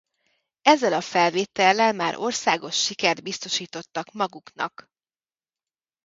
Ezzel a felvétellel már országos sikert biztosítottak maguknak.